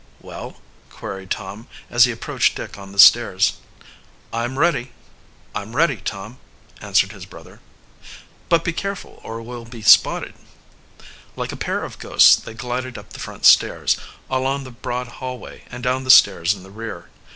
"Well?" queried Tom, as he approached Dick on the stairs. "I'm ready, Tom," answered his brother. "But be careful, or we'll be spotted." Like a pair of ghosts they glided up the front stairs, along the broad hallway, and down the stairs in the rear.